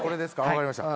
分かりました。